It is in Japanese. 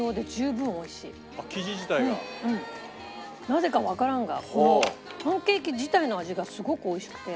なぜかわからんがこのパンケーキ自体の味がすごく美味しくて。